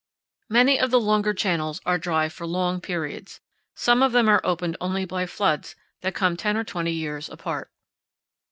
Many of the longer channels are dry for long periods. Some of them are opened only by floods that come ten or twenty years apart.